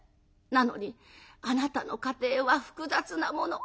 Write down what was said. なのにあなたの家庭は複雑なもの。